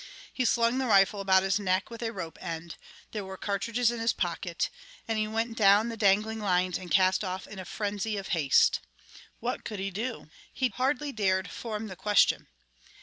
He slung the rifle about his neck with a rope end there were cartridges in his pocket and he went down the dangling lines and cast off in a frenzy of haste. What could he do? He hardly dared form the question.